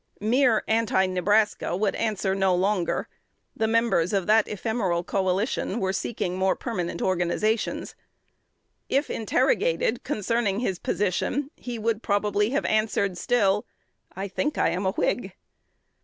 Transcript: Mere "Anti Nebraska" would answer no longer: the members of that ephemeral coalition were seeking more permanent organizations. If interrogated concerning his position, he would probably have answered still, "I think I am a Whig."